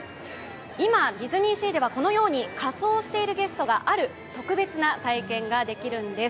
今、ディズニーシーではこのように仮装しているゲストがある特別な体験ができるんです。